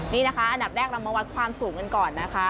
นี่นะคะอันดับแรกเรามาวัดความสูงกันก่อนนะคะ